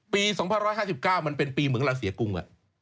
ปี๒๕๕๙มันเป็นปีเหมือนเราเสียกรุง